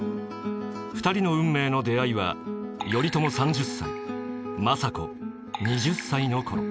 ２人の運命の出会いは頼朝３０歳政子２０歳のころ。